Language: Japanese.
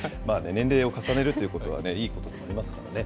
年齢を重ねるということはいいことだと思いますからね。